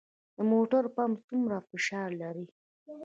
د موټر پمپ څومره فشار لري؟